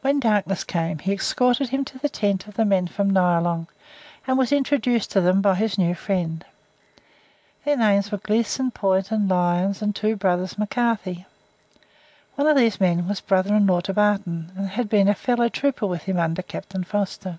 When darkness came he escorted him to the tent of the men from Nyalong, and was introduced to them by his new friend. Their names were Gleeson, Poynton, Lyons, and two brothers McCarthy. One of these men was brother in law to Barton, and had been a fellow trooper with him under Captain Foster.